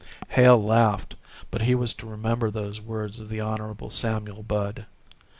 Hale laughed, but he was to remember those words of the Hon. Samuel Budd.